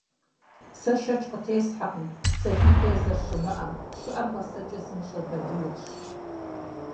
Сэ шэч къытесхьэркъым сабий Ӏей зэрыщымыӀэм, щыӀэр гъэсэкӀэ зымыщӀэ балигъщ.